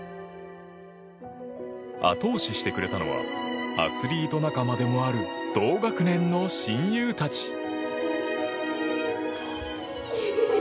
後押ししてくれたのはアスリート仲間でもある同学年の親友たち。